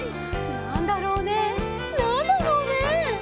「なんだろうねなんだろうね」